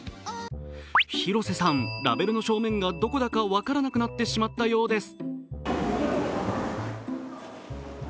広瀬さん、ラベルの正面がどこだか分からなくなってしまったようです。